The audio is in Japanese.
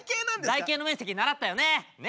台形の面積習ったよね？